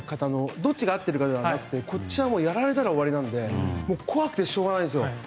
どっちがあっているかではなくてこっちはやられたら終わりなので怖くて仕方ないんです。